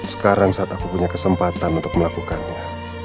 sekarang saat aku punya kesempatan untuk melakukannya